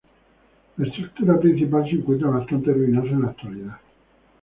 La estructura principal se encuentra bastante ruinosa en la actualidad.